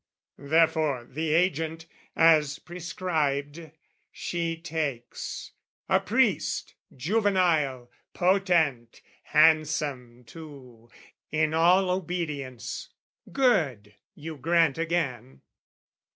Therefore the agent, as prescribed, she takes, A priest, juvenile, potent, handsome too, In all obedience: "good," you grant again.